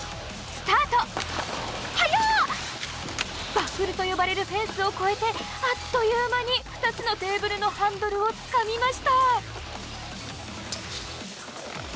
バッフルと呼ばれるフェンスを越えてあっという間に２つのテーブルのハンドルをつかみました。